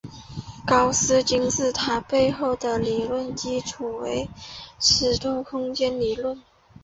高斯金字塔背后的理论基础为尺度空间理论。